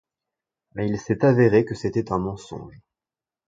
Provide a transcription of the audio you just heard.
Mais il s'est avéré que c'était un mensonge.